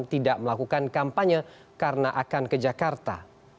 tidak melakukan kampanye karena akan ke jakarta